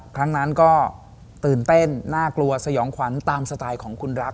ครั้งนั้นก็ตื่นเต้นน่ากลัวสยองขวัญตามสไตล์ของคุณรัก